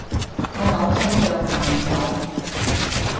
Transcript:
我扭親腳行唔到